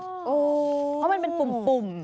เพราะมันเป็นปุ่ม